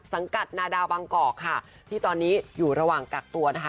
สังกัดนาดาวบางกอกค่ะที่ตอนนี้อยู่ระหว่างกักตัวนะคะ